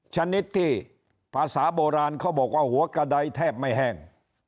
ชนิดที่ภาษาโบราณเขาบอกว่าหัวกระดายแทบไม่แห้ง